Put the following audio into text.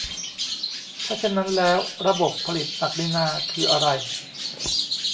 ถ้าเช่นนั้นแล้วระบบผลิตศักดินาคืออะไร ?